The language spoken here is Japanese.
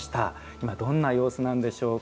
今、どんな様子なんでしょうか。